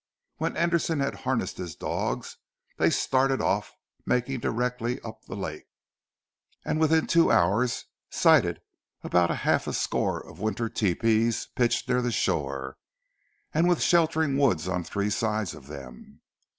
When Anderton had harnessed his dogs they started off, making directly up the lake, and within two hours sighted about half a score of winter tepees pitched near the store, and with sheltering woods on three sides of them.